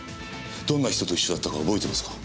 どんな人と一緒だったか覚えてますか？